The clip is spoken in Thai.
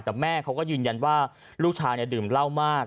แต่แม่เขาก็ยืนยันว่าลูกชายดื่มเหล้ามาก